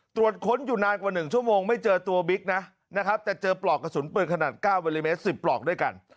ตรวจค้นอยู่นานกว่า๑ชั่วโมงไม่เจอตัวบิ๊กนะนะครับแต่เจอปลอกกระสุนปืนขนาด๙มิลลิเมตร๑๐ปลอกด้วยกัน